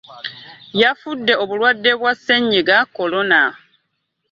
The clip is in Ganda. Yafudde obulwadde bwa Ssennyiga Corona